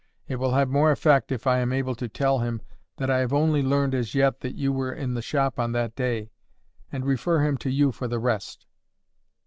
It will have more effect if I am able to tell him that I have only learned as yet that you were in the shop on that day, and refer him to you for the rest."